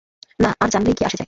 না, আর জানলেই কি আসে যায়।